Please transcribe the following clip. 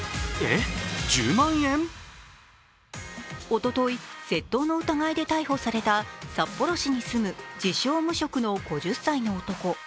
おととい、窃盗の疑いで逮捕された、札幌市に住む自称・無職の５０歳の男。